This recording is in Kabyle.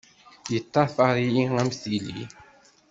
Yeṭṭafar-iyi am tili.